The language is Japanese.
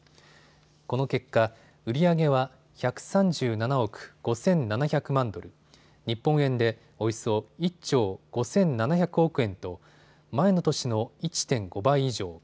この結果、売り上げは１３７億５７００万ドル、日本円でおよそ１兆５７００億円と前の年の１．５倍以上。